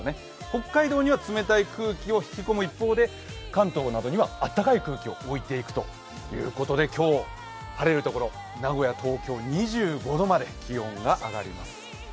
北海道には冷たい空気を引き込む一方で、関東などには暖かい空気を置いていくということで今日、晴れるところ、名古屋、東京、２５度まで気温が上がります。